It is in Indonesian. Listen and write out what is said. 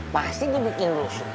pasti dibikin rusuh